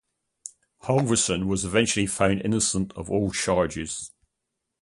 Halvorssen was eventually found innocent of all charges.